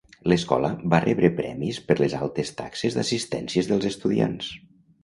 L'escola va rebre premis per les altes taxes d'assistències dels estudiants.